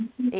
oke di balik